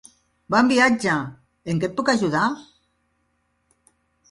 Bon viatge! En què et puc ajudar?